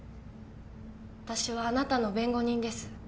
私はあなたの弁護人です